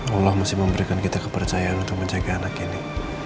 allah masih memberikan kita kepercayaan untuk menjaga anak ini